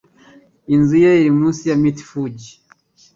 Inzu ye iri munsi ya Mt. Fuji.